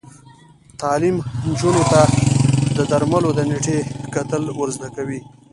تعلیم نجونو ته د درملو د نیټې کتل ور زده کوي.